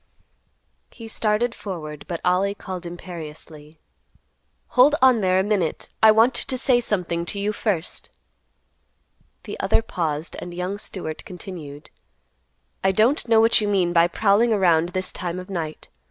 He started forward, but Ollie called imperiously, "Hold on there a minute, I want to say something to you first." The other paused, and young Stewart continued; "I don't know what you mean by prowling around this time of night.